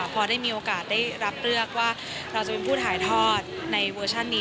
พอได้มีโอกาสได้รับเลือกว่าเราจะเป็นผู้ถ่ายทอดในเวอร์ชันนี้